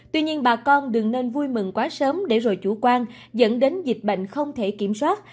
tuy nhiên bà con đừng nên vui mừng quá sớm để rồi chủ quan dẫn đến dịch bệnh không thể kiểm soát